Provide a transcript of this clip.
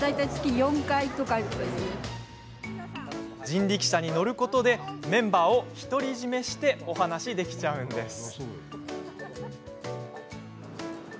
人力車に乗ることでメンバーを独り占めしてお話しできちゃうんです。